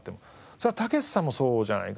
それはたけしさんもそうじゃないかな。